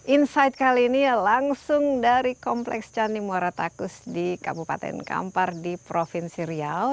insight kali ini ya langsung dari kompleks candi muara takus di kabupaten kampar di provinsi riau